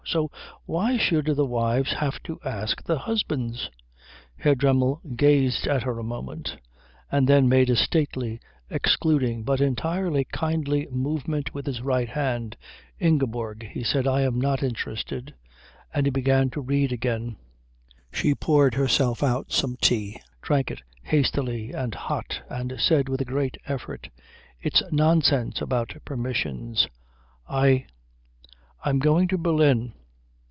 So why should the wives have to ask the husbands'?" Herr Dremmel gazed at her a moment, and then made a stately, excluding, but entirely kindly movement with his right hand. "Ingeborg," he said, "I am not interested." And he began to read again. She poured herself out some more tea, drank it hastily and hot, and said with a great effort, "It's nonsense about permissions. I I'm going to Berlin."